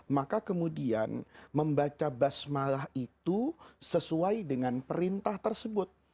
maka kemudian membaca basmalah itu sesuai dengan perintah tersebut